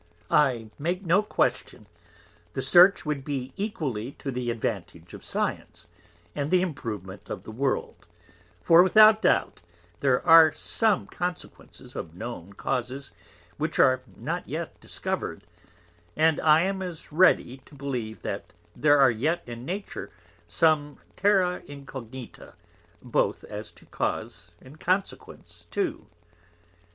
I make no Question, the Search would be equally to the Advantage of Science, and the Improvement of the World; for without Doubt there are some Consequences of known Causes which are not yet discover'd, and I am as ready to believe there are yet in Nature some Terra Incognita both as to Cause and Consequence too.